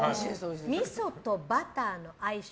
みそとバターの相性